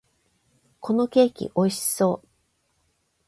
このケーキ、美味しそう！